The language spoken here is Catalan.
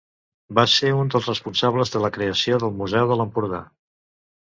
Va ser un dels responsables de la creació del Museu de l'Empordà.